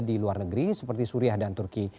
di luar negeri seperti suriah dan turki